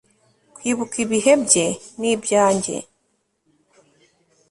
kwibuka ibihe bye nibyanjye